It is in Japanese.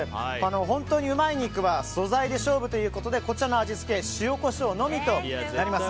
本当にうまい肉は素材で勝負ということでこちらの味付け塩、コショウのみとなります。